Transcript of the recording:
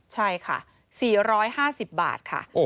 ใช่ค่ะ๔๕๐บาทค่ะ